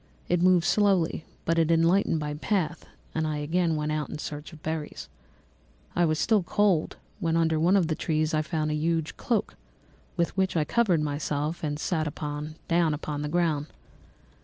It moved slowly, but it enlightened my path, and I again went out in search of berries. I was still cold when under one of the trees I found a huge cloak, with which I covered myself, and sat down upon the ground.